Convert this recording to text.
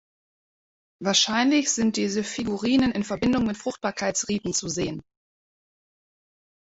Wahrscheinlich sind diese Figurinen in Verbindung mit Fruchtbarkeitsriten zu sehen.